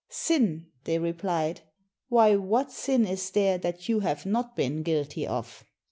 " "Sin? " they replied, "why, what sin is there that you have not been guilty of?"